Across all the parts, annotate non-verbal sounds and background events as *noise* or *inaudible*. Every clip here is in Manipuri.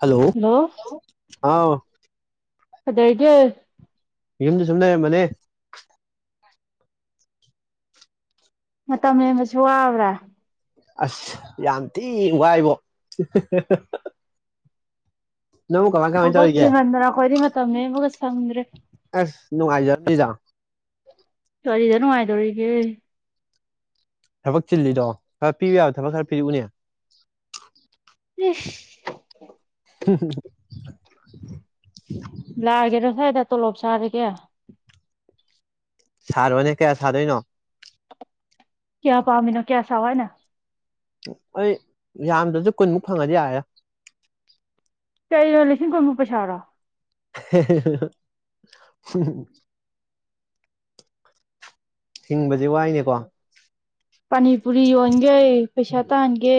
ꯍꯜꯂꯣ ꯂꯣ ꯑꯥꯎ ꯀꯩꯗꯧꯔꯤꯒꯦ ꯌꯨꯝꯗ ꯁꯨꯝ ꯂꯩꯔꯝꯕꯅꯦ ꯃꯇꯝ ꯂꯦꯟꯕꯁꯦ ꯋꯥꯕ꯭ꯔꯥ ꯑꯁ ꯌꯥꯝ ꯊꯤ ꯋꯥꯏꯕꯣ ꯢꯍꯦ ꯍꯥ ꯍꯥ ꯊꯕꯛ ꯆꯤꯟꯃꯟꯗꯅ ꯑꯩꯈꯣꯏꯗꯤ ꯃꯇꯝ ꯂꯦꯟꯕꯒ ꯁꯪꯗ꯭ꯔꯦ ꯅꯨꯡꯉꯥꯏꯖꯥꯔ꯭ꯝꯅꯤꯗ ꯀꯥꯔꯤꯗ ꯅꯨꯡꯉꯥꯏꯗꯧꯔꯤꯒꯦ ꯊꯕꯛ ꯆꯤꯜꯂꯤꯗꯣ ꯈꯔ ꯄꯤꯕ ꯌꯥꯕ ꯊꯕꯛ ꯈꯔ ꯄꯤꯔꯛꯎꯅꯦ ꯢꯁ ꯍꯝ ꯍꯝ ꯍꯝ ꯍꯝ ꯂꯥꯛꯒꯦꯔ ꯍꯣꯢꯗ ꯇꯣꯂꯣꯞ ꯁꯥꯥꯔꯒꯦ ꯁꯔꯣꯅꯦ ꯀꯌꯥ ꯁꯗꯣꯏꯅꯣ ꯀꯌꯥ ꯄꯥꯃꯤꯅꯣ ꯀꯌꯥ ꯁꯥꯎ ꯍꯥꯢꯅꯣ ꯑꯩ ꯌꯥꯝꯗ꯭ꯔꯁꯨ ꯀꯨꯟꯃꯨꯛ ꯐꯪꯉꯥꯗꯤ ꯌꯥꯔꯦꯗ ꯀꯩꯅꯣ ꯂꯤꯁꯤꯡ ꯈꯨꯟꯕꯨ ꯄꯩꯁꯥꯔꯣ ꯏꯍꯦ ꯍꯦ ꯍꯦ ꯍꯨꯝ ꯍꯨꯝ ꯍꯤꯡꯕꯁꯦ ꯋꯥꯏꯅꯦꯀꯣ ꯄꯥꯅꯤ ꯄꯨꯔꯤ ꯌꯣꯟꯒꯦ ꯄꯩꯁꯥ ꯇꯥꯟꯒꯦ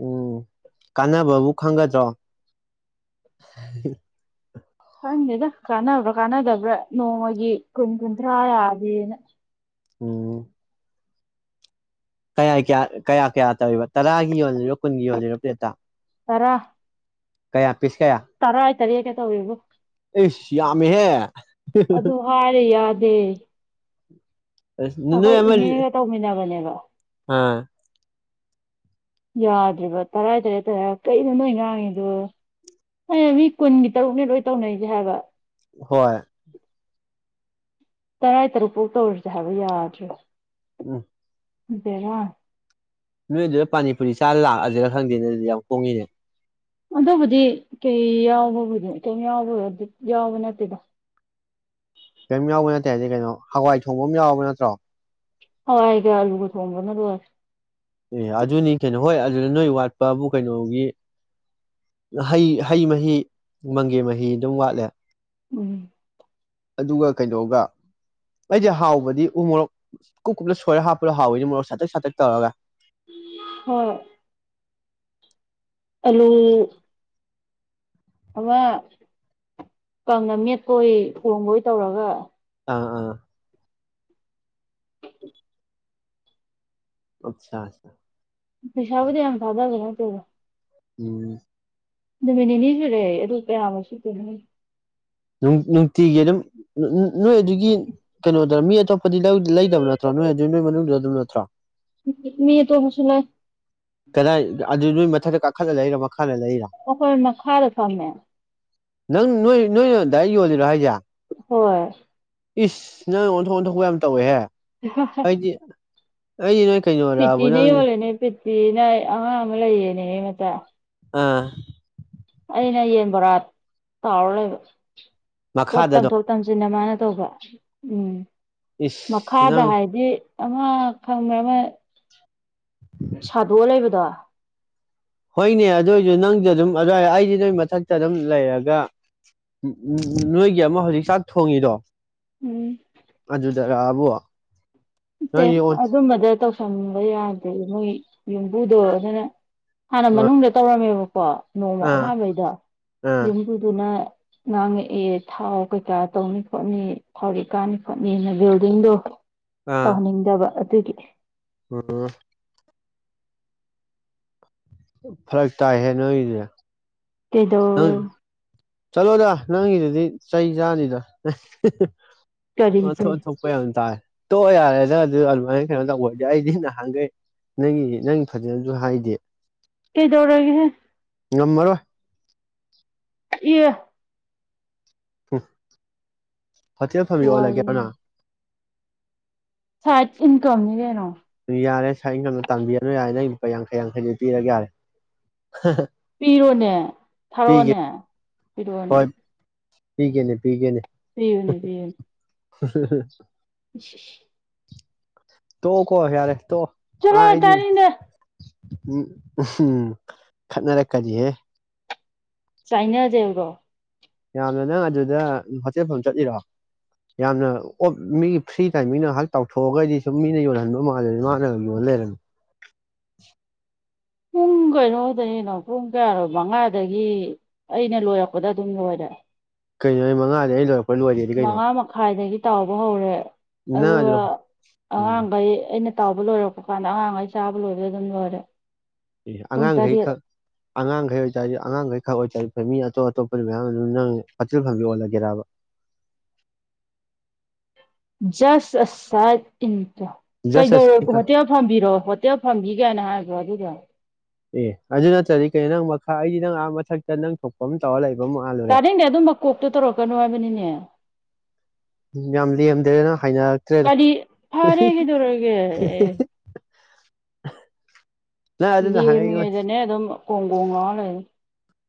ꯎꯝ ꯀꯥꯟꯅꯕꯕꯨ ꯈꯪꯒꯗ꯭ꯔꯣ ꯈꯪꯗꯦꯗ ꯀꯥꯟꯅꯕ꯭ꯔꯥ ꯀꯥꯟꯅꯗꯕ꯭ꯔꯥ ꯅꯣꯡꯃꯒꯤ ꯀꯨꯟ ꯀꯨꯟꯊ꯭ꯔꯥ ꯌꯥꯗꯦꯅꯥ ꯎꯝ ꯀꯌꯥꯒꯤ ꯀꯌꯥ ꯀꯌꯥ ꯇꯧꯢꯕ ꯇꯔꯥꯒꯤ ꯌꯣꯜꯂꯤꯔꯣ ꯀꯨꯟꯒꯤ ꯌꯣꯜꯂꯤꯔꯣ ꯄ꯭ꯂꯦꯠꯇ ꯇꯔꯥ ꯀꯌꯥ ꯄꯤꯁ ꯀꯌꯥ ꯇꯔꯦ꯭ꯠ ꯀꯥ ꯇꯧꯏꯔꯦꯕꯨ ꯏꯁ ꯌꯥꯝꯃꯦꯍꯦ ꯑꯗꯨ ꯍꯥꯏꯔꯦ ꯌꯥꯗꯦ ꯑꯁ ꯅꯣꯏ ꯑꯩꯈꯣꯏ ꯑꯃ ꯏꯅꯦꯒ ꯇꯧꯃꯤꯟꯅꯕꯅꯦ *unintelligible* ꯑꯥ ꯌꯥꯗ꯭ꯔꯤꯕ ꯇꯔꯥꯏ ꯇꯔꯦꯠ ꯇꯧꯋꯦ ꯍꯥꯏꯔ ꯀꯩꯅꯣ ꯅꯣꯏ ꯉꯥꯡꯉꯤꯗꯣ ꯑꯩꯅ ꯃꯤ ꯀꯨꯟꯒꯤ ꯇꯔꯨꯛꯅꯦ ꯂꯣꯏ ꯇꯧꯅꯔꯤꯁꯦ ꯍꯥꯏꯕ ꯍꯣꯏ ꯇꯔꯥꯏ ꯇꯔꯨꯛ ꯐꯧ ꯇꯧꯔꯁꯦ ꯍꯥꯏꯕ ꯌꯥꯗ꯭ꯔꯤꯕ ꯎꯝ ꯕꯦꯔꯅꯦ ꯅꯣꯏꯗꯨꯗ ꯄꯥꯅꯤ ꯄꯨꯨꯔꯤ ꯆꯥꯔ ꯂꯥꯛꯑꯖꯤꯔ ꯈꯪꯗꯦꯅꯦ ꯑꯗꯨꯗꯤ ꯌꯥꯎ ꯍꯣꯡꯉꯦꯅꯦ ꯑꯗꯨꯕꯨꯗꯤ ꯀꯩ ꯌꯥꯎꯕꯕꯨꯗꯤ ꯀꯩꯝ ꯌꯥꯎꯕ ꯑꯗꯨ ꯌꯥꯎꯕ ꯅꯠꯇꯦꯗ ꯀꯩꯝ ꯌꯥꯎꯕ ꯅꯠꯇꯦ ꯍꯥꯏꯗꯤ ꯀꯩꯅꯣ ꯍꯋꯥꯏ ꯊꯣꯡꯕ ꯑꯃ ꯌꯥꯎꯕ ꯅꯠꯇ꯭ꯔꯣ ꯍꯋꯥꯏꯒ ꯑꯂꯨꯒ ꯊꯣꯡꯕꯅ ꯂꯣꯏꯔꯦ ꯑꯦ ꯑꯗꯨꯅꯤ ꯀꯩꯅꯣ ꯍꯣꯏ ꯑꯗꯨꯗ ꯅꯣꯏ ꯋꯥꯠꯄꯕꯨ ꯀꯩꯅꯣꯒꯤ ꯍꯩ ꯍꯩ ꯃꯍꯤ ꯃꯪꯒꯦ ꯃꯍꯤ ꯑꯗꯨꯝ ꯋꯥꯠꯂꯦ ꯎꯝ ꯑꯗꯨꯒ ꯀꯩꯅꯣꯒ ꯑꯩꯗꯤ ꯍꯥꯎꯕꯗꯤ ꯎ ꯃꯣꯔꯣꯛ ꯀꯨꯞ ꯀꯨꯞꯅ ꯁꯣꯏꯔ ꯍꯥꯞꯄꯗ ꯍꯥꯎꯋꯤꯅꯦ ꯃꯣꯔꯣꯛ ꯁꯥꯇꯛ ꯁꯥꯇꯛ ꯇꯧꯔꯒ ꯍꯣꯏ ꯑꯂꯨ ꯑꯃ ꯀꯪꯅ ꯃꯦꯠꯄꯣꯏ ꯊꯣꯡꯕꯣꯏ ꯇꯧꯔꯒ ꯑꯥ ꯑꯥ ꯑꯆꯥ *unintelligible* ꯄꯩꯁꯥꯥꯕꯨꯗꯤ ꯌꯥꯝꯅ ꯊꯥꯗꯕ ꯅꯠꯇꯦꯗ ꯎꯝ ꯅꯨꯃꯤꯠꯅꯤꯅꯤ ꯁꯨꯔꯦ ꯑꯗꯣ ꯀꯥꯌꯥꯃꯨꯛ ꯁꯤꯠꯇꯣꯏꯅꯣ ꯈꯪ ꯅꯨꯡꯇꯤꯒꯤ ꯑꯗꯨꯝ ꯅꯣꯏ ꯑꯗꯨꯒꯤ ꯀꯩꯅꯣꯗ ꯃꯤ ꯑꯇꯣꯞꯄꯗꯤ ꯂꯧ ꯂꯩꯇꯕ ꯅꯠꯇ꯭ꯔꯣ ꯅꯣꯏ ꯑꯗꯨꯒꯤ ꯅꯣꯏ ꯃꯅꯨꯡꯗ ꯑꯗꯨꯝ ꯅꯠꯇ꯭ꯔꯣ ꯃꯤ ꯑꯇꯣꯞꯄꯁꯨ ꯂꯩ ꯀꯗꯥꯏ ꯑꯗꯨ ꯅꯣꯏ ꯃꯊꯛꯇ ꯀꯥꯈꯠꯂ ꯂꯩꯔ ꯃꯈꯥ ꯑꯣꯈꯣꯏ ꯃꯈꯥꯗ ꯐꯝꯃꯦ ꯅꯪ ꯅꯣꯏ ꯅꯣꯏ ꯗꯥꯏꯔꯦꯛ ꯌꯣꯜꯂꯤꯔꯣ ꯍꯥꯏꯖꯦ ꯍꯣꯏ ꯏꯁ ꯅꯪ ꯑꯣꯟꯊꯣꯛ ꯑꯣꯟꯊꯣꯛꯄ ꯌꯥꯝ ꯇꯧꯋꯦꯍꯦ ꯍ ꯍ ꯑꯩ ꯅꯡ *unintelligible* ꯄꯤꯇꯤ ꯅ ꯌꯣꯜꯂꯤꯅꯦ ꯄꯤ ꯄꯤꯅ ꯑꯉꯥꯡ ꯑꯃ ꯂꯩꯌꯦꯅꯦ ꯃꯆꯥ ꯑꯥ ꯑꯩꯅ ꯌꯦꯟꯕꯣꯔꯥ ꯇꯥꯎꯔ ꯂꯩꯕ ꯄꯣꯠ ꯃꯈꯥꯗꯗꯣ ꯇꯝꯊꯣꯛ ꯇꯝꯁꯤꯟꯅ ꯃꯥꯅ ꯇꯧꯕ ꯎꯝ ꯏꯁ ꯃꯈꯥꯗ ꯅꯪ ꯍꯥꯏꯗꯤ ꯑꯃ ꯈꯪꯕ ꯑꯃ ꯁꯥꯗꯣꯛꯑ ꯂꯩꯕꯗꯣ ꯍꯣꯏꯅꯦ ꯑꯗꯨꯏꯁꯨ ꯅꯪꯁꯨ ꯑꯗꯨꯝ ꯑꯗꯨꯋꯥꯏ ꯑꯩꯁꯨ ꯅꯣꯏ ꯃꯊꯛꯇ ꯑꯗꯨꯝ ꯂꯩꯔꯒ ꯎꯝ ꯎꯝ ꯅꯣꯏꯒꯤ ꯑꯃ ꯍꯧꯖꯤꯛ ꯆꯥꯛ ꯊꯣꯡꯉꯤꯗꯣ ꯎꯝ ꯑꯗꯨ ꯖꯔꯕꯨ ꯇꯦ ꯑꯗꯨꯃꯗ ꯇꯧꯁꯤ ꯊꯝꯕ ꯌꯥꯗꯦ ꯃꯣꯏ ꯌꯨꯝꯕꯨꯗꯣ ꯑꯗꯨꯅ ꯍꯥꯟꯅ ꯃꯅꯨꯡꯗ ꯇꯧꯔꯝꯃꯦꯕ ꯄꯥ *unintelligible* ꯅꯣꯡꯃ ꯑꯥ ꯑꯥ ꯑꯍꯥꯟꯕꯩꯗ ꯑꯥ ꯌꯨꯝꯕꯨꯗꯨꯅ ꯉꯥꯡꯉꯛꯏ ꯊꯥꯎ ꯀꯩꯀꯥ ꯇꯧꯅꯤ ꯈꯣꯠꯅꯤ ꯊꯥꯎꯔꯦꯛ ꯀꯥꯅꯤ ꯈꯣꯠꯅꯤꯅ ꯕꯤꯜꯗꯤꯡꯗꯣ ꯇꯧꯍꯟꯅꯤꯡꯗꯕ ꯑꯗꯨꯒꯤ ꯑꯣ ꯐꯔꯛ ꯇꯥꯏꯍꯦ ꯅꯣꯏꯗꯨꯗꯤ ꯀꯩꯗꯧ ꯑ ꯆꯂꯣꯗ ꯅꯪꯒꯤꯗꯨꯗꯤ ꯆꯩ ꯆꯥꯅꯤꯗ ꯀꯔꯤ ꯑꯣꯟꯊꯣꯛ ꯑꯣꯟꯊꯣꯛꯄ ꯌꯥꯝ ꯇꯥꯢ ꯇꯣꯛꯑꯣ ꯌꯥꯔꯦꯗ ꯑꯗꯨ ꯑꯗꯨꯃꯥꯏꯅ ꯀꯩꯅꯣ ꯇꯧꯕꯗꯤ ꯑꯩꯗꯤ ꯅꯍꯥꯟꯈꯩ ꯅꯪꯒꯤ ꯅꯪ ꯐꯖꯅꯁꯨ ꯍꯥꯏꯗꯦ ꯀꯩꯗꯧꯔꯒꯦꯍꯦ ꯉꯝꯃꯔꯣꯢ ꯏꯌꯥ ꯍꯨ ꯍꯣꯇꯦꯜ ꯐꯝꯃꯤ ꯑꯣꯜꯂꯒꯦꯔꯣ ꯅ ꯁꯥꯢꯠ ꯏꯟꯀꯝ ꯅꯤ ꯀꯩꯅꯣ ꯌꯥꯔꯦ ꯁꯥꯏꯠ ꯏꯟꯀꯝꯒ ꯇꯥꯟꯕꯤꯔꯅꯨ ꯌꯥꯔꯦ ꯅꯪ ꯂꯨꯄꯥ ꯌꯥꯡꯈꯩ ꯌꯥꯡꯈꯩꯗꯣ ꯄꯤꯔꯒꯦ ꯌꯥꯔꯦ ꯄꯤꯔꯣꯅꯦ ꯄꯤꯒꯦ ꯊꯥꯔꯛꯑꯣꯅꯦ ꯄꯤꯔꯣꯅꯦ ꯍꯣꯏ ꯄꯤꯒꯦꯅꯦ ꯄꯤꯒꯦꯅꯦ ꯄꯤꯕꯅꯦ ꯄꯤꯕꯅꯦ ꯍꯥ ꯍꯥꯥ ꯍꯥ ꯏꯁ ꯏꯁ ꯇꯣꯛꯑꯣꯀꯣ ꯌꯥꯔꯦ ꯇꯣꯛꯑꯣ ꯆꯠꯂꯣ ꯍꯥꯏꯗꯤ ꯇꯥꯅꯤꯡꯗꯦ ꯎꯝ ꯎ ꯍꯨꯝ ꯈꯠꯅꯔꯛꯀꯅꯤꯍꯦ ꯆꯥꯏꯅꯖꯦꯕ꯭ꯔꯣ ꯌꯥꯝꯅ ꯅꯪ ꯑꯗꯨꯗ ꯍꯣꯊꯦꯜ ꯐꯝ ꯆꯠꯂꯤꯔꯣ ꯌꯥꯝꯅ ꯑꯣꯞ ꯃꯤꯒꯤ ꯐ꯭ꯔꯤ ꯇꯥꯏꯃꯤꯡꯉꯥꯏꯍꯥꯛ ꯇꯥꯎꯊꯣꯛꯑꯒꯗꯤ ꯁꯨꯝ ꯃꯤꯅ ꯌꯣꯟꯜꯍꯟꯕ ꯃꯥꯜꯂꯅꯤ ꯃꯥꯅ ꯌꯣꯜ ꯂꯩꯔꯝꯃꯦ ꯄꯨꯡ ꯀꯩꯅꯣꯗꯒꯤꯅꯣ ꯄꯨꯡ ꯀꯌꯥꯔꯣ ꯃꯉꯥꯗꯒꯤ ꯑꯩꯅ ꯂꯣꯏꯔꯛꯄꯗ ꯑꯗꯨꯝ ꯂꯣꯏꯔꯦ ꯀꯩꯅꯣ ꯑꯩ ꯃꯉꯥꯗꯩ ꯑꯩ ꯂꯣꯢ ꯃꯉꯥ ꯃꯈꯥꯏꯗꯒꯤ ꯇꯥꯎꯕ ꯍꯧꯔꯦ ꯅꯪ ꯑꯗꯨ ꯑꯗꯨꯒ ꯎꯝ ꯑꯉꯥꯡꯒꯩ ꯑꯩꯅ ꯇꯥꯎꯕ ꯂꯣꯏꯔꯛꯄ ꯀꯥꯟꯗ ꯑꯉꯥꯡꯈꯩ ꯆꯥꯕ ꯂꯣꯢꯕꯗ ꯑꯗꯨꯝ ꯂꯣꯏꯔꯦ ꯑꯦ ꯄꯨꯡ ꯑꯉꯥꯡꯈꯩ ꯇꯔꯦꯠ ꯈꯛ ꯑꯉꯥꯡꯈꯩ ꯑꯣꯏꯇꯥꯔꯖꯨ ꯑꯉꯥꯡꯈꯩ ꯈꯛ ꯑꯣꯏꯇꯥꯔꯖꯨ ꯃꯤ ꯑꯇꯣꯞ ꯑꯇꯣꯞꯄꯖꯨ ꯃꯌꯥꯝ ꯑꯗꯨꯝ ꯅꯪ ꯍꯣꯇꯦꯜ ꯐꯝꯕꯤ ꯑꯣꯜꯂꯒꯦꯔꯕ ꯖꯁ ꯑ ꯁꯦꯠ ꯢꯟ ꯖꯁ ꯀꯩꯗꯧꯔ ꯑꯁꯤꯒ ꯍꯣꯇꯦꯜ ꯐꯝꯕꯤꯔꯣ ꯍꯣꯇꯦꯜ ꯐꯝꯕꯤꯒꯥꯏꯅ ꯍꯥꯏꯕ꯭ꯔꯣ *unintelligible* ꯑꯦ ꯑꯗꯨ ꯅꯠꯇ꯭ꯔꯗꯤ ꯀꯩꯅꯣ ꯅꯪ ꯃꯈꯥ ꯑꯩꯗꯤ ꯅꯪ ꯑꯥ ꯃꯊꯛꯇ ꯅꯪ ꯊꯣꯛꯄ ꯑꯃ ꯇꯧꯔ ꯂꯩ ꯇꯥꯅꯤꯡꯗꯦ ꯑꯗꯨꯝꯕ ꯀꯣꯛꯇꯨ ꯇꯧꯔꯛꯀꯅꯨ ꯍꯥꯏꯕꯅꯤꯅꯦ ꯌꯥꯝ ꯂꯦꯝꯗ꯭ꯔꯦꯅ ꯍꯥꯏꯅꯔꯛꯇ꯭ꯔꯦꯗ ꯀꯔꯤ ꯐꯔꯦ ꯀꯩꯗꯧꯔꯒꯦ ꯑꯦ ꯅꯪ ꯑꯗꯨꯅ ꯂꯦꯝꯃꯤ ꯍꯥꯏꯉꯩ ꯉꯩꯗꯅꯦ ꯑꯗꯨꯝ ꯀꯣꯡꯒꯣꯡ ꯂꯥꯎꯔ ꯂꯩꯔꯅꯤ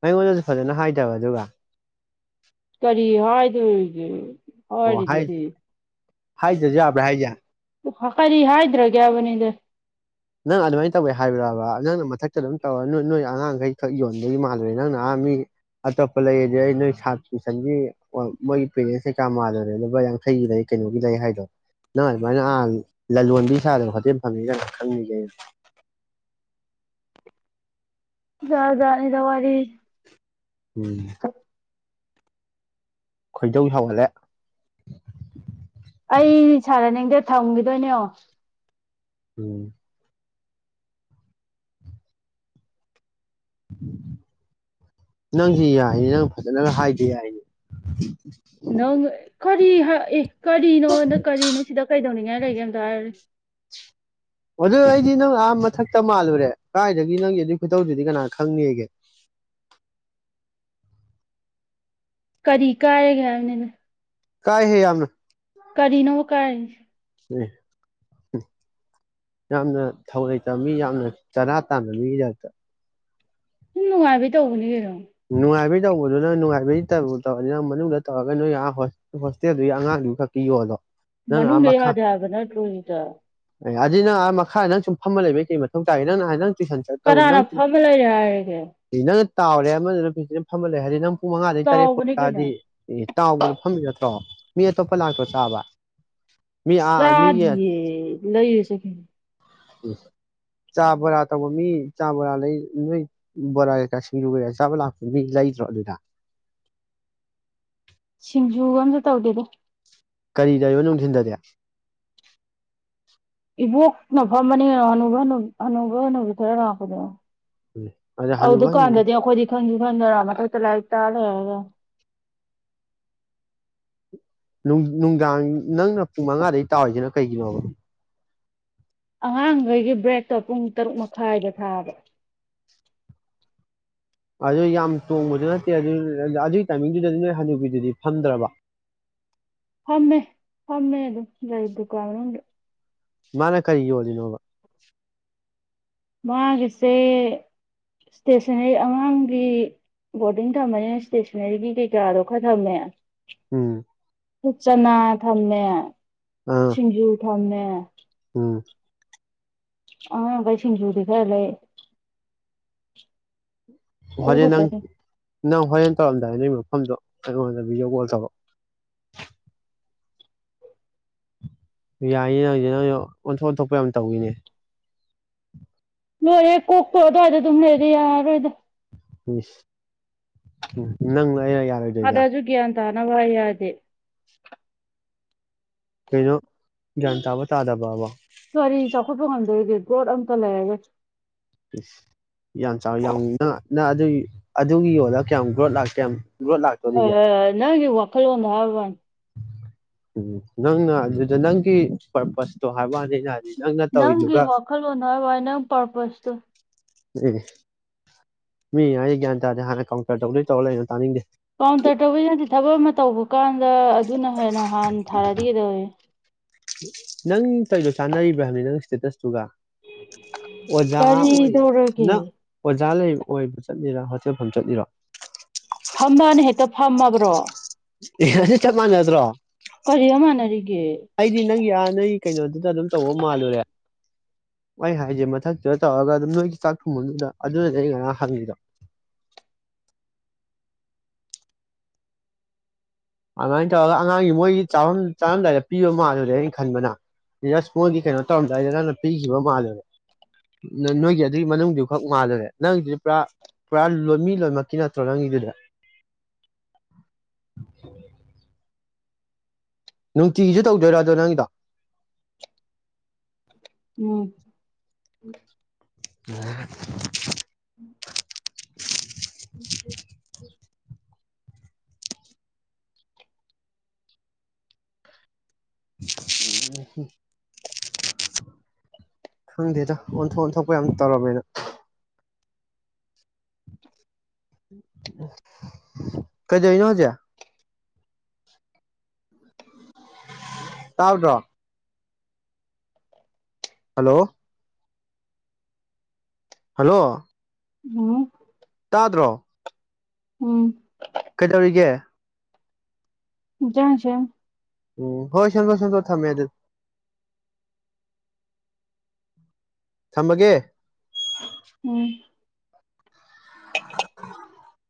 ꯑꯩꯉꯣꯟꯗꯁꯨ ꯐꯖꯅ ꯍꯥꯏꯗꯕ ꯑꯗꯨꯒ ꯀꯔꯤ ꯍꯥꯏꯗꯧꯔꯤꯒꯦ ꯍꯥꯏꯔꯤꯗꯨꯗꯤ ꯍꯥꯏꯗ꯭ꯔꯥꯖꯨ ꯌꯥꯕ꯭ꯔꯥ ꯍꯥꯢꯁꯦ ꯀꯔꯤ ꯍꯥꯏꯗ꯭ꯔꯒꯦ ꯍꯥꯢꯕꯅꯤꯗ ꯅꯪ ꯑꯗꯨꯃꯥꯏꯅ ꯇꯧꯋꯦ ꯍꯥꯏꯕ꯭ꯔꯕ ꯅꯪꯅ ꯃꯊꯛꯇ ꯑꯗꯨꯝ ꯇꯧꯔ ꯅꯣꯏ ꯑꯉꯥꯡꯈꯩ ꯈꯛ ꯌꯣꯟꯕꯒꯤ ꯃꯥꯜꯂꯨꯔꯦ ꯅꯪꯅ ꯑꯥ ꯃꯤ ꯑꯇꯣꯞꯄ ꯂꯩ ꯑꯗꯩ ꯑꯩ ꯅꯣꯏ ꯁꯥꯠ ꯇꯨꯏꯁꯟꯒꯤ ꯃꯣꯏꯒꯤ ꯄꯦꯔꯦꯟꯁ ꯀꯩꯀꯥ ꯃꯥꯜꯂꯨꯔꯦ ꯂꯨꯄꯥ ꯌꯥꯡꯈꯩꯒꯤ ꯂꯩ ꯀꯩꯅꯣꯒꯤ ꯂꯩ ꯍꯥꯏꯗꯣ ꯅꯪ ꯑꯗꯨꯃꯥꯏꯅ ꯑ ꯂꯂꯣꯟꯕꯤ ꯁꯥꯗꯅ ꯍꯣꯇꯦꯜ ꯐꯝꯃꯤ ꯀꯥꯢ ꯈꯪꯉꯤ ꯀꯩꯅꯣ ꯖꯥꯠ ꯖꯥꯠꯅꯤꯗ ꯋꯥꯔꯤ *inaudible* ꯃꯦ ꯈꯣꯏꯗꯧ ꯁꯥꯎꯒꯠꯂꯦ ꯑꯩ ꯁꯥꯟꯅꯅꯤꯡꯗꯦ ꯊꯝꯈꯤꯗꯣꯏꯅꯦ ꯌꯦꯡꯉꯣ ꯎꯝ ꯅꯪꯁꯤ ꯌꯥꯏꯅꯦ ꯅꯪ ꯐꯖꯅꯒ ꯍꯥꯏꯕ ꯌꯥꯏꯅꯦ ꯅꯪ ꯀꯔꯤ ꯍ ꯑꯦ ꯀꯔꯤꯅꯣ ꯅ ꯀꯔꯤꯅꯣ ꯁꯤꯗ ꯀꯩꯗꯧꯅꯤꯡꯉꯥꯏ ꯂꯩꯒꯦ ꯑꯝꯇ ꯍꯥꯏꯌꯨꯅꯦ ꯑꯗꯨ ꯑꯩꯗꯤ ꯅꯪ ꯑꯥ ꯃꯊꯛꯇ ꯃꯥꯜꯂꯨꯔꯦ ꯀꯗꯥꯥꯏꯗꯒꯤ ꯅꯪꯒꯤ ꯑꯗꯨꯒꯤ ꯈꯨꯇꯧꯗꯨꯗꯤ ꯀꯅꯥ ꯈꯪꯅꯤꯒꯦ ꯀꯔꯤ ꯀꯥꯏꯔꯒꯦ ꯍꯥꯏꯕꯅꯤꯗ ꯀꯥꯏ ꯍꯦ ꯌꯥꯝꯅ ꯀꯔꯤꯅꯣ ꯀꯥꯏꯁꯦ ꯑꯦ ꯍꯝ ꯌꯥꯝꯅ ꯊꯧ ꯂꯩꯇꯕ ꯃꯤ ꯌꯥꯝꯅ ꯆꯔꯥ ꯇꯥꯟꯕ ꯃꯤꯒꯤ ꯇꯥ꯭ꯌꯞꯇ ꯁꯨꯝ ꯅꯨꯡꯉꯥꯏꯕꯩ ꯇꯧꯕꯅꯤ ꯀꯩꯅꯣ ꯅꯨꯡꯉꯥꯢꯕꯩ- ꯇꯧꯕꯗꯣꯅꯥ ꯅꯨꯡꯉꯥꯏꯕꯩ ꯇꯧꯕꯨ ꯇꯧꯔꯗꯤ ꯃꯅꯨꯡꯗ ꯇꯧꯔꯒꯥ ꯅꯣꯏꯒꯤ ꯑꯥ ꯍꯣꯁꯇꯦꯜ ꯗꯨꯏ ꯑꯉꯥꯡ ꯗꯨꯗ ꯄꯤꯌꯣ ꯗꯣ ꯃꯅꯨꯡꯗ ꯌꯥꯗꯦ ꯍꯥꯏꯕꯥ ꯅꯠꯇꯔꯣ ꯗ ꯑꯦ ꯑꯗꯨꯗꯤ ꯅꯪ ꯃꯈꯥ ꯅꯪ ꯁꯨꯝ ꯐꯝꯃ ꯂꯩꯕꯩ ꯀꯩ ꯃꯊꯧ ꯇꯥꯒꯦ ꯅꯪ ꯅꯍꯥꯟ ꯅꯪ ꯇꯨꯏꯁꯟ ꯆꯠ ꯇꯧ ꯀꯅꯥꯅ ꯅꯪ ꯐꯝꯃ ꯂꯩꯔꯦ ꯍꯥꯏꯔꯒꯦ ꯅꯪꯅ ꯇꯥꯎꯔꯦ ꯐꯝꯃꯥ ꯂꯩ ꯍꯥꯏꯗꯤ ꯅꯪ *unintelligible* ꯄꯨꯡ ꯃꯉꯥꯗꯩ ꯇꯔꯦꯠꯄꯨꯛ ꯆꯥꯎꯕꯅꯦ ꯀꯩꯅꯣ ꯇꯥꯛꯑꯗꯤ ꯑꯦ ꯇꯥꯎꯕꯗꯣ ꯐꯝꯃꯤ ꯅꯠꯇꯔꯣ ꯃꯤ ꯑꯇꯣꯞꯄ ꯂꯥꯛꯇ꯭ꯔꯣ ꯆꯥꯕ ꯃꯤ ꯑꯥ ꯃꯤꯒꯤ ꯆꯥꯗꯤꯌꯦ ꯂꯩꯔꯁꯨ *inaudible* ꯆꯥ ꯕꯣꯔꯥ ꯇꯧꯕ ꯃꯤ ꯆꯥ ꯕꯣꯔꯥ ꯂꯩ ꯅꯣꯏ ꯕꯣꯔꯥ ꯀꯩꯀ ꯁꯤꯡꯖꯨ ꯀꯩꯀ ꯆꯥꯕ ꯂꯥꯛꯄ ꯃꯤ ꯂꯩꯗꯔꯣ ꯑꯗꯨꯗ ꯁꯤꯡꯖꯨꯒ ꯑꯝꯇ ꯇꯧꯗꯦꯗ ꯀꯔꯤꯗꯧꯔꯤꯕꯥ ꯅꯨꯡꯊꯤꯟꯗꯥꯗꯤ ꯏꯕꯣꯛꯅ ꯐꯝꯕꯅꯤ ꯍꯅꯨꯕ ꯍꯅꯨꯕꯤ ꯍꯅꯨꯕ ꯍꯅꯨꯕꯤ ꯈꯔ ꯂꯥꯛꯄꯗꯣ ꯑꯗ ꯑ ꯍꯅꯨꯕ ꯍꯅꯨ ꯗꯨꯀꯥꯟꯗꯗꯤ ꯑꯈꯣꯏꯗꯤ ꯈꯪꯗꯤ ꯈꯪꯗꯅ ꯃꯊꯛꯇ ꯂꯥꯏꯔꯤꯛ ꯇꯥꯛ ꯂꯩꯔꯒ ꯅꯨꯡꯗꯥꯡ ꯅꯪꯅ ꯄꯨꯡ ꯃꯉꯥꯗꯩ ꯇꯥꯎꯔꯤꯖꯤꯅ ꯀꯩꯒꯤꯅꯣꯕ ꯑꯉꯥꯡꯒꯩꯒꯤ ꯕ꯭ꯔꯦꯛꯇꯣ ꯄꯨꯡ ꯇꯔꯨꯛ ꯃꯈꯥꯏꯗ ꯊꯥꯕ ꯑꯗꯨ ꯌꯥꯝ ꯇꯣꯡꯕꯗꯨ ꯅꯠꯇꯦ ꯑꯗꯨ ꯑꯗꯨꯏ ꯇꯥꯏꯃꯤꯡꯗꯨꯗꯗꯤ ꯅꯣꯏ ꯍꯥꯅꯨꯕꯤꯗꯨꯗꯤ ꯐꯝꯗ꯭ꯔꯕ ꯐꯝꯃꯦ ꯐꯝꯃꯦ ꯑꯗꯨꯝ ꯂꯩ ꯗꯨꯀꯥꯟ ꯃꯅꯨꯡꯗ ꯃꯥꯅ ꯀꯔꯤ ꯌꯣꯜꯂꯤꯅꯣꯕ ꯃꯥꯒꯤꯁꯦ ꯁꯇꯦꯁꯟꯅꯔꯤ ꯑꯉꯥꯡꯒꯤ ꯕꯣꯔꯗꯤꯡ ꯊꯝꯃꯅꯤꯅ ꯁꯇꯦꯁꯟꯅꯔꯤꯒꯤ ꯀꯩꯀꯥꯗꯣ ꯈꯔ ꯊꯝꯃꯦ ꯎꯝ ꯍꯠ ꯆꯅ ꯊꯝꯃꯦ ꯑꯥ ꯁꯤꯡꯖꯨ ꯊꯝꯃꯦ ꯑꯣ ꯎꯝ ꯑꯉꯥꯡꯒꯩ ꯁꯤꯡꯖꯨꯗꯤ ꯈꯔꯥ ꯂꯩ ꯑꯗꯨ ꯍꯣꯔꯦꯟ ꯅꯪ ꯈꯠꯇꯅꯤ ꯅꯪ ꯍꯣꯔꯦꯟ ꯇꯧꯔꯝꯗꯥꯏ ꯑꯗꯨꯏ ꯃꯐꯝꯗꯣ ꯑꯩꯉꯣꯟꯗ ꯚꯤꯗꯤꯑꯣ ꯀꯣꯜ ꯇꯧꯔꯛꯑꯣ ꯌꯥꯏꯌꯦ ꯌꯥꯏꯌꯦ ꯅꯪ ꯑꯣꯟꯊꯣꯛ ꯑꯣꯟꯊꯣꯛꯄꯥ ꯌꯥꯝ ꯇꯧꯋꯤꯅꯦ ꯂꯣꯏꯔꯦ ꯀꯣꯛꯇꯣ ꯑꯗꯨꯋꯥꯏꯗ ꯑꯗꯨꯝ ꯂꯩꯔꯗꯤ ꯌꯔꯔꯣꯏꯗ ꯏꯁ ꯎꯝ ꯅꯪꯅ ꯑꯩꯔꯥ ꯌꯔꯣꯏꯗꯣꯏꯖꯦ ꯇꯥꯅꯕꯥ ꯍꯥꯏ ꯌꯥꯗꯦ ꯀꯩꯅꯣ ꯒ꯭ꯌꯥꯟ ꯇꯥꯕ ꯇꯥꯗꯕꯕꯣ ꯈꯣꯠꯄ ꯉꯝꯗꯣꯔꯤꯒꯦ ꯒ꯭ꯔꯣꯠ ꯑꯝꯇ ꯂꯩꯔꯔꯣꯏ ꯌꯥꯝ ꯆꯥꯎꯋꯤ ꯌꯥꯝ ꯅꯪ ꯑꯗꯨ ꯑꯗꯨꯒꯤ ꯌꯣꯟꯂꯒ ꯀꯌꯥꯝ ꯒ꯭ꯔꯣꯠ ꯂꯥꯛꯀꯦ ꯀꯌꯥꯝ ꯒ꯭ꯔꯣꯠ ꯑ ꯂꯥꯛꯇꯣꯔꯤꯒꯦ ꯅꯪꯒꯤ ꯋꯥ *unintelligible* ꯍꯥꯏꯕꯥ ꯋꯥꯅꯤ *unintelligible* ꯎꯝ ꯅꯪꯅ ꯑꯗꯨꯗ ꯅꯪꯒꯤ ꯄꯔꯄꯁꯇꯣ ꯍꯥꯏꯕ ꯋ꯭ꯅꯤ ꯑꯩꯅꯥ ꯍꯥꯏꯕꯗꯤ ꯅꯪꯒꯤ ꯋꯥꯈꯜꯂꯣꯟꯗꯣ ꯍꯥꯏ ꯋꯥꯅꯦ ꯅꯪ ꯄꯔꯄꯁꯇꯣ ꯑꯦ ꯑꯦ ꯃꯤ ꯍꯥꯢꯖꯦ ꯒ꯭ꯌꯥꯟ ꯇꯥꯗꯦ ꯍꯥꯟꯅ ꯀꯥꯎꯟꯇꯔ ꯇꯧꯗꯣꯏ ꯇꯧꯔ ꯂꯩꯑꯣ ꯇꯥꯅꯤꯡꯗꯦ ꯀꯥꯎꯟꯇꯔ ꯇꯧꯕꯩ ꯅꯠꯇꯦ ꯊꯕꯛ ꯑꯃ ꯇꯧꯕ ꯀꯥꯟꯗ ꯑꯗꯨꯅ ꯍꯦ ꯅꯍꯥꯟ ꯊꯔꯥꯗꯤ ꯀꯩꯗꯧꯋꯤ ꯅꯪ ꯇꯩꯗꯣ ꯆꯥꯅꯔꯤꯕ꯭ꯔꯥ ꯍꯥꯏꯕꯅꯤꯗ ꯅꯪ ꯁ꯭ꯇꯦꯇꯁ ꯗꯨꯒ ꯑꯣꯖꯥ ꯑꯣꯏ ꯀꯔꯤꯗꯧꯔꯒꯦ ꯅꯪ ꯑꯣꯖꯥ ꯂꯩ ꯑꯣꯏꯕ ꯆꯠꯂꯤꯔꯕ ꯆꯐꯝ ꯆꯠꯂꯤꯔꯣ ꯐꯝꯕꯅꯦ ꯍꯦꯇꯞ ꯇꯝꯃꯕ꯭ꯔꯣ ꯑꯦ ꯉꯁꯤ ꯆꯞ ꯃꯥꯟꯅꯗ꯭ꯔꯣ ꯀꯔꯤꯗ ꯃꯥꯟꯅꯔꯤꯒꯦ ꯑꯩꯗꯤ ꯅꯪꯒꯤ ꯑꯥ ꯅꯣꯏ ꯀꯩꯅꯣꯗꯨꯗ ꯑꯗꯨꯝ ꯇꯧꯕ ꯃꯥꯜꯂꯨꯔꯦ ꯃꯥ ꯍꯥꯏꯁꯦ ꯃꯊꯛꯇꯨꯗ ꯇꯧꯔꯒ ꯑꯗꯨꯝ ꯅꯣꯏꯒꯤ ꯆꯥꯛ ꯊꯣꯡꯕꯗꯨꯗ ꯑꯗꯨꯅꯗꯤ ꯑꯩ ꯉꯔꯥꯡ ꯍꯪꯉꯤꯗꯣ ꯑꯃꯥꯏꯅ ꯇꯧꯔꯒ ꯑꯉꯥꯡꯒꯤ ꯃꯣꯏꯒꯤ ꯆꯥꯕꯝ ꯆꯥꯔꯝꯗꯥꯏꯗ ꯄꯤꯕ ꯃꯥꯜꯂꯨꯔꯦ ꯑꯩꯅ ꯈꯟꯕꯅ ꯅꯁ ꯕꯣꯠꯒꯤ ꯀꯩꯅꯣ ꯇꯧꯔꯝꯗꯥꯏꯗ ꯅꯪꯅ ꯄꯤꯈꯤꯕ ꯃꯥꯜꯂꯨꯔꯦ ꯅꯣꯏꯒꯤ ꯑꯗꯨꯒꯤ ꯃꯅꯨꯡꯗꯨ ꯈꯛ ꯃꯥꯜꯂꯨꯔꯦ ꯅꯪꯒꯤꯗꯨꯗꯤ ꯄꯨꯔꯥ ꯄꯨꯔꯥ ꯂꯣꯏ ꯃꯤ ꯂꯣꯏꯅꯃꯛꯀꯤ ꯅꯠꯇ꯭ꯔꯣ ꯅꯪꯒꯤꯗꯨꯗꯤ *inaudible* ꯅꯨꯡꯇꯤꯒꯤꯁꯨ ꯇꯧꯗꯣꯏꯔꯥ ꯑꯗꯣ ꯅꯪꯒꯤꯗꯣ ꯎꯝ *unintelligible* *inaudible* ꯎꯝ ꯍꯝ ꯈꯪꯗꯦꯗ ꯑꯣꯟꯊꯣꯛ ꯑꯣꯟꯊꯣꯛꯄ ꯌꯥꯝ ꯇꯧꯔꯝꯃꯦꯗ ꯀꯩꯗꯧꯏꯅꯣ ꯍꯧꯖꯤꯛ ꯇꯥꯎꯗ꯭ꯔꯣ ꯍꯜꯂꯣ ꯍꯜꯂꯣ ꯎꯝ ꯇꯥꯗ꯭ꯔꯣ ꯎꯝ ꯀꯩꯗꯧꯔꯤꯒꯦ ꯍꯦꯟꯖꯥꯡ ꯁꯦꯝ ꯎꯝ ꯍꯣꯏ ꯁꯦꯝꯗꯣ ꯁꯦꯝꯗꯣ ꯊꯝꯃꯦ ꯑꯗꯨꯗꯤ ꯊꯝꯃꯒꯦ ꯎꯝ *unintelligible*